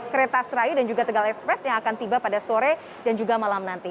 kereta serayu dan juga tegal express yang akan tiba pada sore dan juga malam nanti